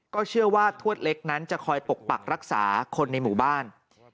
เชื่อว่าทวดเล็กนั้นจะคอยปกปักรักษาคนในหมู่บ้าน